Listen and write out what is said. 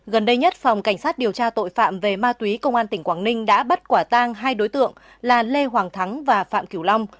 gần đây nhất phòng cảnh sát điều tra tội phạm về ma túy công an tỉnh quảng ninh đã bắt quả tang hai đối tượng là lê hoàng thắng và phạm kiều long